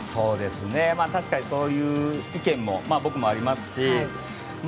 確かにそういう意見僕もありますし。